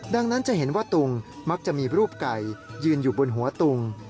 ดังนั้นจะเห็นว่าตุงมักจะมีรูปไก่ยืนอยู่บนหัวตุง